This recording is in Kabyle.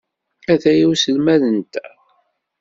Ataya uselmad-nteɣ.